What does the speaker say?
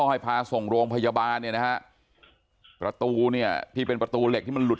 ให้พาส่งโรงพยาบาลเนี่ยนะฮะประตูเนี่ยที่เป็นประตูเหล็กที่มันหลุด